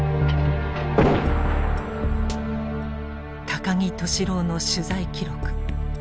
高木俊朗の取材記録。